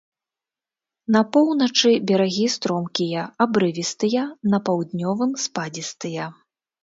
На поўначы берагі стромкія, абрывістыя, на паўднёвым спадзістыя.